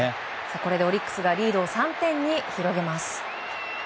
これでオリックスがリードを３点に広げます。